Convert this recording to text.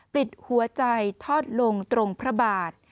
ติดหัวใจทอดลงตรงพระบาท